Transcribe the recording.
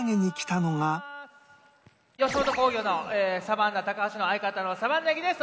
吉本興業のサバンナ高橋の相方のサバンナ八木です。